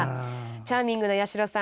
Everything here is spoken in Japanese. チャーミングな八代さん